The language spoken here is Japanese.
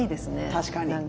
確かに。